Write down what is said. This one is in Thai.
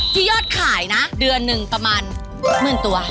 ยอดขายนะเดือนหนึ่งประมาณหมื่นตัว